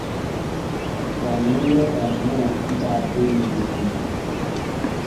Gannuure Dammu woɗɗidaa genni mawni.